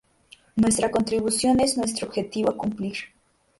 Nuestra contribución es nuestro objetivo a cumplir.